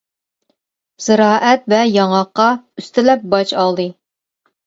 زىرائەت ۋە ياڭاققا ئۈستىلەپ باج ئالدى.